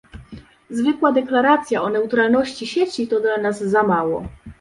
Zwykła deklaracja o neutralności sieci to dla nas za mało